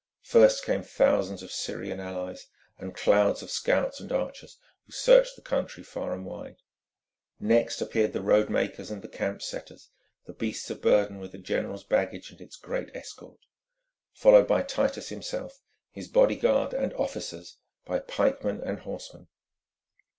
First came thousands of Syrian allies and clouds of scouts and archers, who searched the country far and wide. Next appeared the road makers and the camp setters, the beasts of burden with the general's baggage and its great escort, followed by Titus himself, his bodyguard and officers, by pikemen and by horsemen.